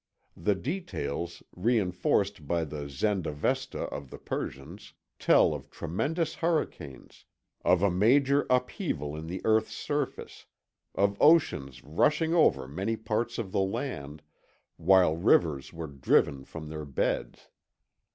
The details, reinforced by the Zend Avesta of the Persians, tell of tremendous hurricanes, of a major upheaval in the earth's surface, of oceans rushing over many parts of the land, while rivers were driven from their beds.